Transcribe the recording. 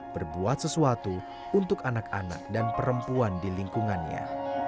berbuat sesuatu untuk anak anak dan perempuan di lingkungannya